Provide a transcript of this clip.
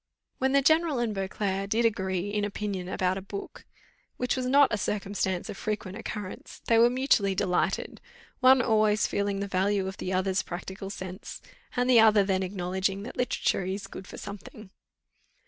When the general and Beauclerc did agree in opinion about a book, which was not a circumstance of frequent occurrence, they were mutually delighted; one always feeling the value of the other's practical sense, and the other then acknowledging that literature is good for something.